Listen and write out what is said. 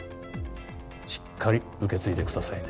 しっかり受け継いでくださいね。